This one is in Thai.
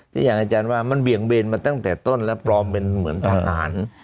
อย่างอาจารย์ว่ามันเบี่ยงเบนมาตั้งแต่ต้นและปลอมเป็นเหมือนทหาร